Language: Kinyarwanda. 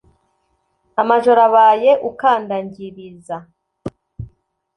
amajoro abaye ukandangiriza.